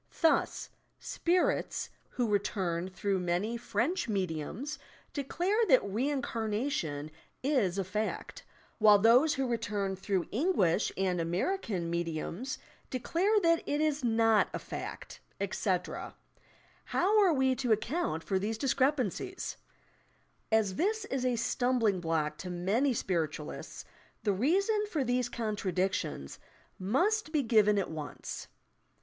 Thus, "spirits" who return through many French mediums declare that reincarnation is a fact, while those who return through English and American mediums declare that it is not a fact ; etc. How are we to account for these discrepancies I As this is a stum bling block to many spiritualists, the reason for these contradictions must be given at once.